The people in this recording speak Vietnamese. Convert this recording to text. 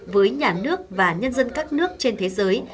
với nhà nước và nhân dân các nước trên thế giới